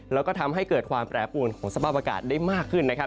แล้วก็ทำให้เกิดความแปรปวนของสภาพอากาศได้มากขึ้นนะครับ